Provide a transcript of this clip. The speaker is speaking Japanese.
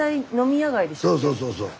そうそうそうそう。